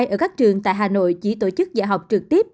ở các trường tại hà nội chỉ tổ chức dạy học trực tiếp